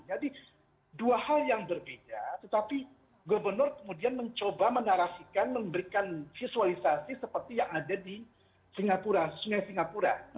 jadi dua hal yang berbeda tetapi gubernur kemudian mencoba menarasikan memberikan visualisasi seperti yang ada di singapura sungai singapura